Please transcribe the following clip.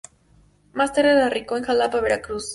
Más tarde radicó en Jalapa, Veracruz.